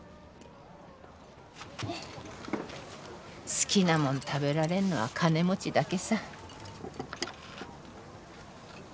好きなもん食べられんのは金持ちだけさ。